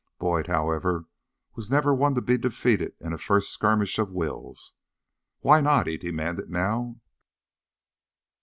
Boyd, however, was never one to be defeated in a first skirmish of wills. "Why not?" he demanded now.